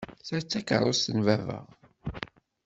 Ta d takerrust n baba.